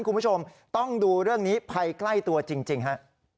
คุณผู้ชมต้องดูเรื่องนี้ภัยใกล้ตัวจริงฮะ